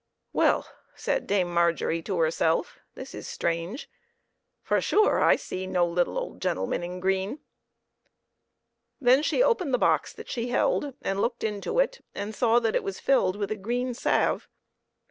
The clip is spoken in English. " Well," said Dame Margery to herself, " this is strange, for sure !/ see no little old gentle man in green." Then she opened the box that she held, and looked into it and saw that it was filled with a green salve.